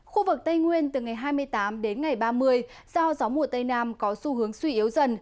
khu vực tây nguyên từ ngày hai mươi tám đến ngày ba mươi do gió mùa tây nam có xu hướng suy yếu dần